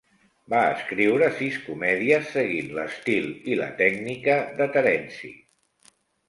Va escriure sis comèdies seguint l'estil i la tècnica de Terenci.